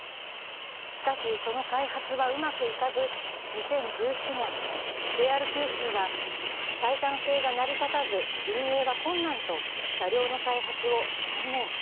しかしその開発はうまくいかず２０１７年、ＪＲ九州は採算性が成り立たず運営は困難と車両の開発を断念。